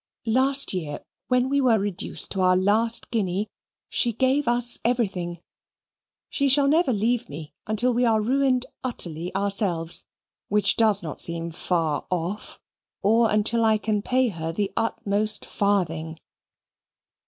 Last year, when we were reduced to our last guinea, she gave us everything. She shall never leave me, until we are ruined utterly ourselves, which does not seem far off, or until I can pay her the utmost farthing."